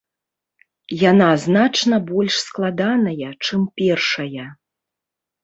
Яна значна больш складаная, чым першая.